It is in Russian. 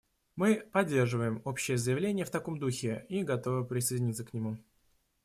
Мы поддерживаем общее заявление в таком духе и готовы присоединиться к нему.